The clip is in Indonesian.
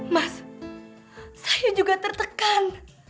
mas saya juga tertekan